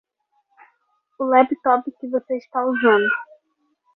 O laptop que você está usando